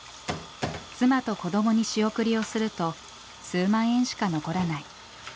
妻と子どもに仕送りをすると数万円しか残らない。